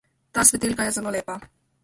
Ta svetilka je zelo lepa.